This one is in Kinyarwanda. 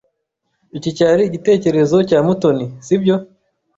Iki cyari igitekerezo cya Mutoni, sibyo?